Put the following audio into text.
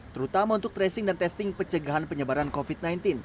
terutama untuk tracing dan testing pencegahan penyebaran covid sembilan belas